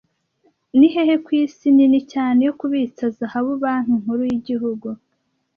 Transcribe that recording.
Nihehe ku isi nini cyane yo kubitsa zahabu Banki nkuru yigihugu